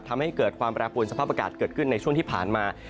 ทำให้เกิดความแปรปวนสภาพอากาศเกิดขึ้นในช่วงที่ผ่านมา